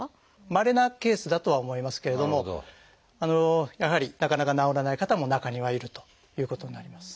まれなケースだとは思いますけれどもやはりなかなか治らない方も中にはいるということになります。